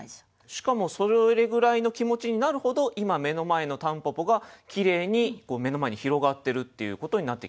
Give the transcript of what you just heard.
しかもそれぐらいの気持ちになるほど今目の前の蒲公英がきれいに目の前に広がってるっていうことになってきますよね。